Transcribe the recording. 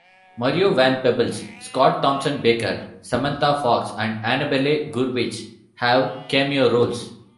Mario Van Peebles, Scott Thompson Baker, Samantha Fox and Annabelle Gurwitch have cameo roles.